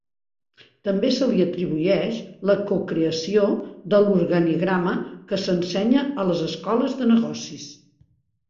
També se li atribueix la cocreació de l'organigrama, que s'ensenya a les escoles de negocis.